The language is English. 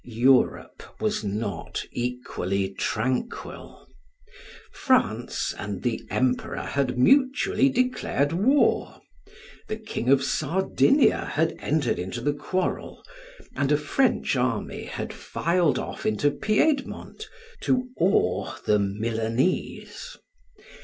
Europe was not equally tranquil: France and the emperor had mutually declared war, the King of Sardinia had entered into the quarrel, and a French army had filed off into Piedmont to awe the Milanese.